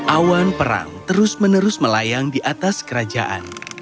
awan perang terus menerus melayang di atas kerajaan